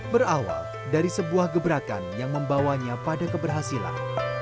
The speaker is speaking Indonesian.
berawal dari sebuah gebrakan yang membawanya pada keberhasilan